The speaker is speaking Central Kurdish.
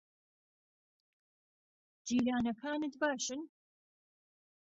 جیرانەکانت باشن؟